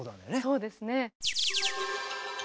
そうですね。